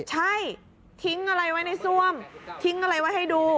ใช่ทิ้งอะไรไว้ในซ่วมทิ้งอะไรไว้ให้ดู